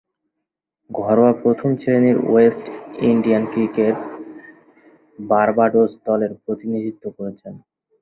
ঘরোয়া প্রথম-শ্রেণীর West Indian ক্রিকেটে বার্বাডোস দলের প্রতিনিধিত্ব করেছেন।